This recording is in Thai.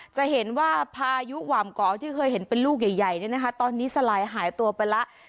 จะเห็นว่าพายุหว่ามเกาะที่เคยเห็นเป็นลูกใหญ่ตอนนี้สลายหายตัวไปแล้ว